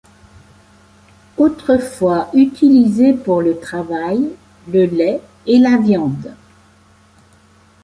Autrefois utilisée pour le travail, le lait et la viande.